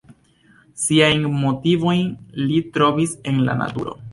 Siajn motivojn li trovis en la naturo.